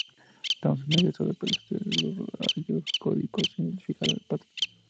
Thomson había usado para estudiar los rayos catódicos e identificar el electrón.